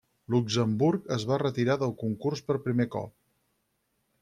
Luxemburg es va retirar del concurs per primer cop.